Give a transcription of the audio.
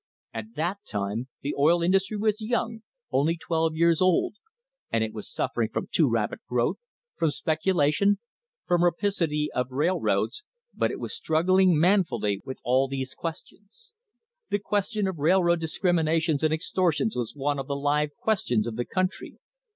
At that time the oil indus try was young, only twelve years old, and it was suffering from too rapid growth, from speculation, from rapacity of rail roads, but it was struggling manfully with all these questions. The question of railroad discriminations and extortions was one of the "live questions" of the country.